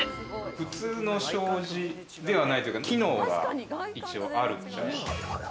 普通の障子ではないというか、機能が一応あるんで。